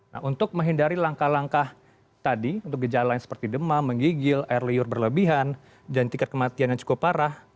nah untuk menghindari langkah langkah tadi untuk gejala yang seperti demam menggigil air liur berlebihan dan tingkat kematian yang cukup parah